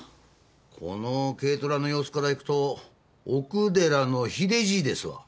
この軽トラの様子からいくと奥寺の秀じいですわ。